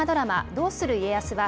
どうする家康は